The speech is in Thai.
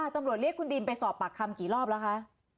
ตำรวจเรียกคุณดินไปสอบปากคำกี่รอบแล้วคะ